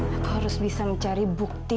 aku harus bisa mencari bukti